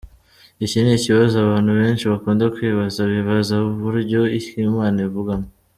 Iki ni ikibazo abantu benshi bakunda kwibaza, bibaza buryo ki Imana ivugamo.